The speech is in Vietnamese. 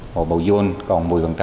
hồ bầu dôn còn một mươi